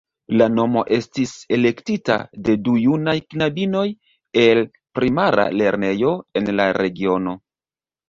La nomo estis elektita de du junaj knabinoj el primara lernejo en la regiono.